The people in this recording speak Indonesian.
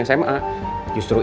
justru itu masalahnya lo